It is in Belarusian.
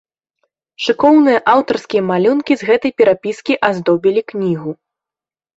Шыкоўныя аўтарскія малюнкі з гэтай перапіскі аздобілі кнігу.